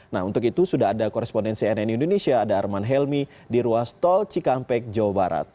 nah untuk itu sudah ada korespondensi nn indonesia ada arman helmi di ruas tol cikampek jawa barat